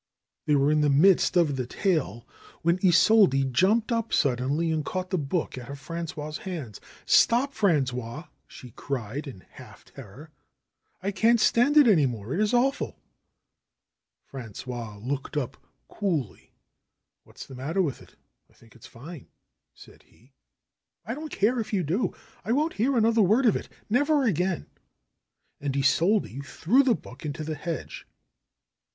They were in the midst of the tale when Isolde jumped up suddenly and caught the book out of Frangois' hands. ^'Stop, Frangois !" she cried in a half terror. ^T can't stand it any more. It is awful !" Frangois looked up coolly. ^^What's the matter with it? I think it is fine," said he. don't care if you do ! I won't hear another word of it. Never again !" And Isolde threw the book into the hedge.